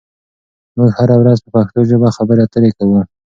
موږ هره ورځ په پښتو ژبه خبرې اترې کوو.